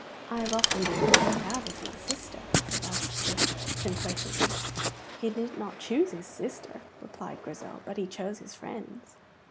'" "I have often been pointed out as his sister," said Elspeth, complacently. "He did not choose his sister," replied Grizel, "but he chose his friends."